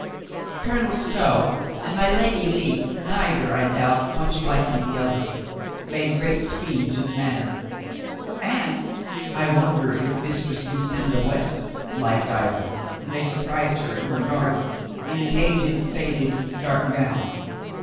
Colonel Stow and my Lady Lepe, neither, I doubt, much liking the other, made great speed to the Manor; and I wonder if Mistress Lucinda Weston 36 COLONEL GREATHEART liked either when they surprised her in her garden in an aged, faded, dark gown.